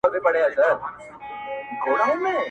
زورور له زورور څخه ډارېږي-